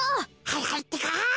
はいはいってか。